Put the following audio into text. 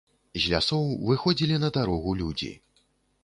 З лясоў выходзілі на дарогу людзі.